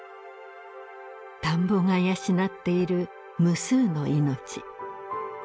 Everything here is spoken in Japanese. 田んぼが養っている無数の命。